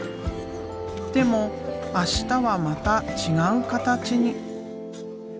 でも明日はまた違う形に。